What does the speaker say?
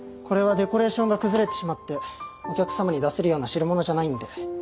これはデコレーションが崩れてしまってお客様に出せるような代物じゃないんで。